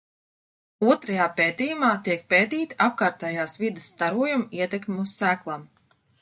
Otrajā pētījumā tiek pētīta apkārtējās vides starojuma ietekme uz sēklām.